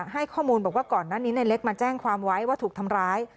ให้ข้อมูลบอกว่าก่อนหน้านี้ในเล็กมาแจ้งความไว้ว่าถูกทำร้าย